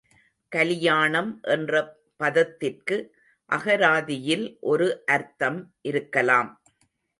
கலியாணம் என்ற பதத்திற்கு அகராதியில் ஒரு அர்த்தம் இருக்கலாம்.